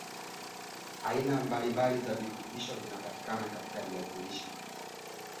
Uambukizaji wa kimeta hutokea wanyama wanapomeza viini vya kimeta vinavyoishi udongoni wakati wanapokuwa